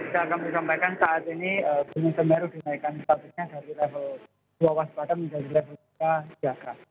ya saya akan menyampaikan saat ini gunung semeru dinaikkan statusnya dari level dua waspada menjadi level tiga siaga